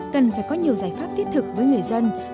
cần phải có nhiều giải pháp thiết thực với người dân